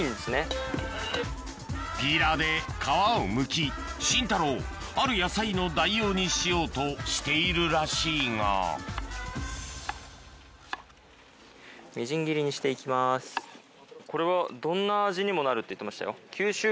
ピーラーで皮をむきシンタローある野菜の代用にしようとしているらしいがこれはどんな味にもなるって言ってましたよ。